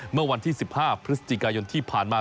เมื่อวันที่๑๕พฤศจิกายนที่ผ่านมา